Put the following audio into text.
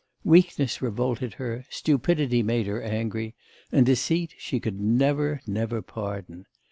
Weakness revolted her, stupidity made her angry, and deceit she could never, never pardon.